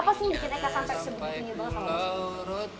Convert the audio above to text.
apa sih yang bikin eka sampai sebegitunya banget sama musiknya